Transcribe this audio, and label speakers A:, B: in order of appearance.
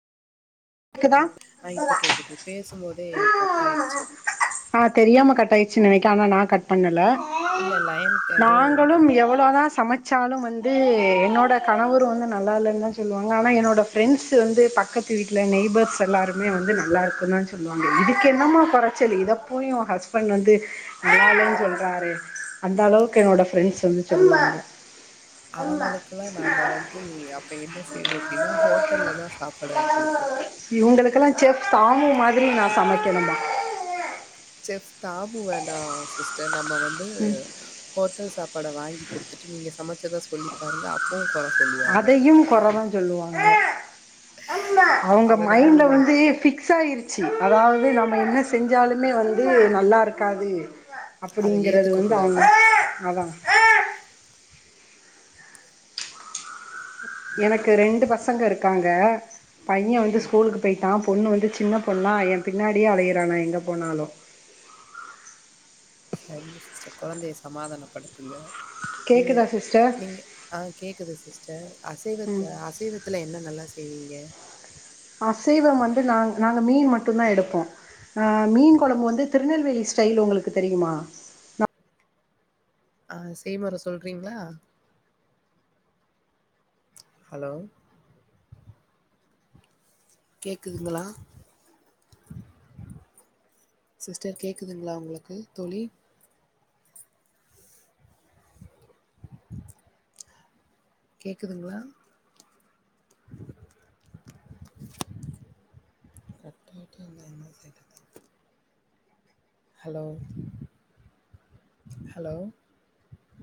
A: கேக்குதா
B: ஆ இப்பே கேக்குது பேசும் போதே கட் ஆயிடுச்சு
A: ஆ தெரியாம கட் ஆயிச்சு நனைக்கே ஆனா நா கட் பண்ணல
B: இல்ல லயன்க்கு ஏதோ
A: நாங்களும் எவ்ளோதா சமைச் சாலும் வந்து என்னோட கணவரு வந்து நல்லா இல்லன் தா சொல்லுவாங்கே என்னோட பிரண்டஸ் வந்து பக்கத்து வீட் இல்ல நெய்பர்ஸ் எல்லாருமே வந்து நல்லா இருக்குன்னு சொல்லுவாங்கே இதுக்கு என்னாம்மா கொறச்சல் இதைப்போய் ஓ அஸ் பன்டு வந்து நல்லாலன்னு சொல்றாரே அந்த அளவுக்கு என்னோட ஃப்ரெண்ட்ஸ் வந்து சொல்வாங்க
B: அவங்களுக்கல்லா நாம வந்து அப்போ என்ன செய்யணும் அப்டின்னா ஹோட்டல்ல தா சாப்பாடு வாங்கி குடுக்கணு
A: இவங்களுக்கல்லா செப் தாமு மாதிரி நா சமைக்கணுமா
B: செப் தாமு வேண்டா சிஸ்டர் நம்ம வந்து ஹோட்டல் சாப்பாட்ட வாங்கி குடுத்துட்டு நீங்க சமச்சதா சொல்லி பாருங்க அப்பவு கொற சொல்லுவாங்க.
A: அதயு கொறதா சொல்லுவாங்க அவங்க
B: அதனால
A: மைண்ட்ல
B: நம்ம
A: வந்து பிக்ஸ் ஆயிருச் ச அதாவது நம்ம என்ன செஞ்சாலுமே வந்து நல்லா இருக்காது
B: அத
A: அப்டிங்கறது
B: ஏத்துக்க
A: வந்து அவங்க
B: கூடாது.
A: அதா எனக்கு ரெண்டு பசங்க இருக்காங்க பையன் வந்து ஸ்கூலுக்கு போயிட்டா பொண்ணு சின்ன பொண்ணா எ பின்னாடியே அலயிறா நா எங்க போனாலு
B: சேரிங்க சிஸ்டர் கொழந்தய சமாதானப்படுத்துங்க நீங்க
A: கேக்குதா சிஸ்டர்
B: நீங்க ஆ கேக்குது சிஸ்டர்
A: ம்
B: அசைவத்துல அசைவத்துல என்ன நல்லா செய்வீங்க
A: அசைவம் வந்து நாங் நாங்க மீன் மட்டுந்தா எடுப்போ அ மீன் கொழம்பு வந்து திருநெல்வேலி ஸ்டைல் உங்களுக்கு தெரியுமா
B: ஆ செய்முற சொல்றீங்ளா ஹலோ கேக்குதுங்களா சிஸ்டர் கேக்குதுங்ளா உங்களுக்கு தோழி கேக்குதுங்ளா கத்திகிட்டே இருந்தா என்ன செய்றது ஹலோ ஹலோ